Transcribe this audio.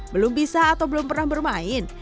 belum bisa atau belum pernah bermain